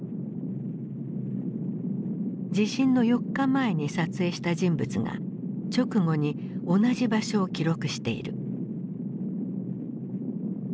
地震の４日前に撮影した人物が直後に同じ場所を記録している。